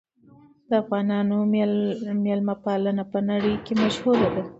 د افغانانو مېلمه پالنه په نړۍ کې مشهوره ده.